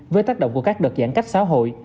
với tác động của các đợt giãn cách xã hội